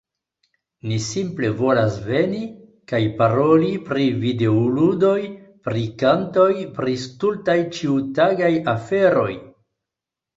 Ni simple volas veni, kaj paroli pri videoludoj, pri kantoj, pri stultaj ĉiutagaj aferoj.